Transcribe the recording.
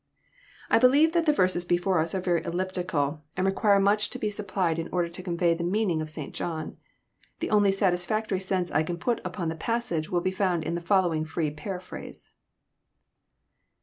I believe that the verses before us are very elliptical, and re quire much to be supplied in order to convey the meaning of St. John. The only satisfactory sense I can put upon the passage will be found in the following free paraphrase.